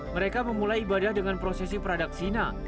mereka memulai ibadah dengan prosesi pradaksina